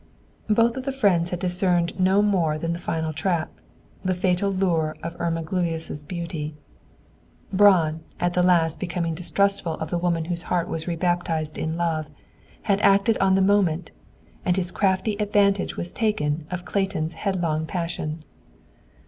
Both of the friends had discerned no more than the final trap. The fatal lure of Irma Gluyas' beauty! Braun, at last becoming distrustful of the woman whose heart was rebaptized in love, had acted on the moment, and his crafty advantage was taken of Clayton's headlong passion.